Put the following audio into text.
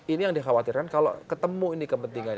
ini yang dikhawatirkan kalau ketemu ini kepentingannya